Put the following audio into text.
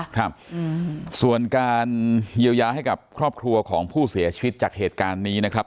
ครับส่วนการเยียวยาให้กับครอบครัวของผู้เสียชีวิตจากเหตุการณ์นี้นะครับ